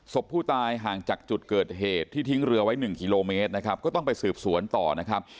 ศพผู้ตายห่างจากจุดเกิดเหตุที่ทิ้งเรือไว้๑กิโลเมตรนะครับก็ต้องไปสืบสวนต่อนะครับ